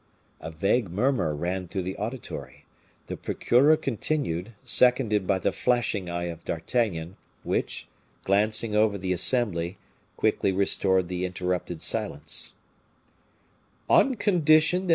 A vague murmur ran through the auditory. The procureur continued, seconded by the flashing eye of D'Artagnan, which, glancing over the assembly, quickly restored the interrupted silence: "On condition that M.